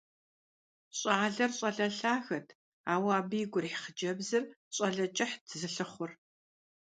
Щӏалэр щӏалэ лъагэт, ауэ абы игу ирихь хъыджэбзыр щӏалэ кӏыхьт зылъыхъур.